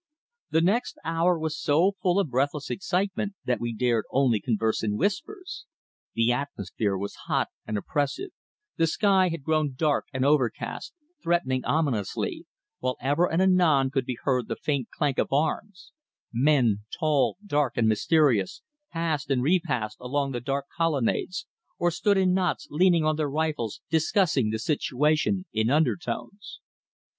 The next hour was so full of breathless excitement that we dared only converse in whispers. The atmosphere was hot and oppressive, the sky had grown dark and overcast, threatening ominously, while ever and anon could be heard the faint clank of arms; men, tall, dark and mysterious, passed and repassed along the dark colonnades, or stood in knots leaning on their rifles discussing the situation in undertones.